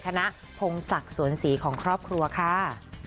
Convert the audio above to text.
ธนพงศักดิ์สวนศรีของครอบครัวค่ะ